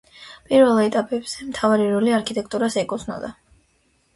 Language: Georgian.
პირველ ეტაპებზე მთავარი როლი არქიტექტურას ეკუთვნოდა.